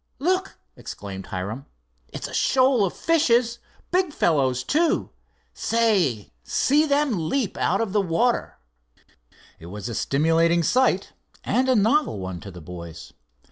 look!" exclaimed Hiram. "It's a shoal of fishes. Big fellows, too. Say, see them leap out of the water." It was a stimulating sight and a novel one to the boys.